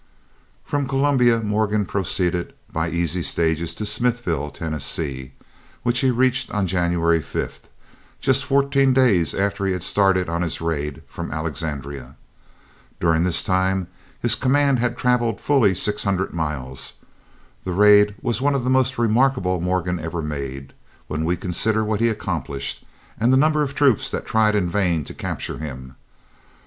From Columbia Morgan proceeded by easy stages to Smithville, Tennessee, which he reached January 5, just fourteen days after he had started on his raid from Alexandria. During this time his command had travelled fully six hundred miles. This raid was one of the most remarkable Morgan ever made, when we consider what he accomplished, and the number of troops that tried in vain to capture him.